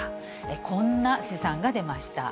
こんな試算が出ました。